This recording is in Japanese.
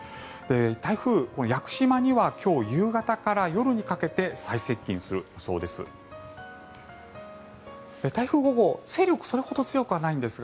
台風、屋久島には今日夕方から夜にかけて最接近するそうです。